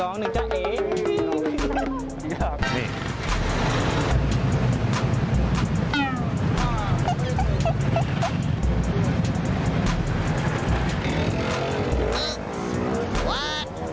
นี่